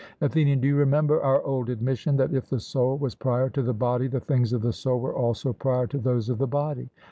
ATHENIAN: Do you remember our old admission, that if the soul was prior to the body the things of the soul were also prior to those of the body?